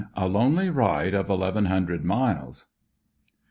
A LONELY RIDE OF ELEVEN HUNDRED MILES.